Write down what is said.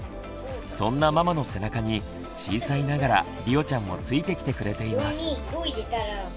そんなママの背中に小さいながらりおちゃんもついてきてくれています。